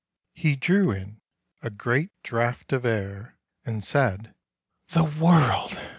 He drew in a great draught of air, and said, " The world